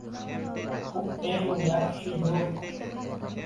bu eng yaxshi yo‘ldir.